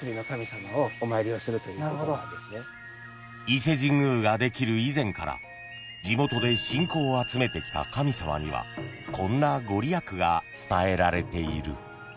［伊勢神宮ができる以前から地元で信仰を集めてきた神様にはこんな御利益が伝えられている］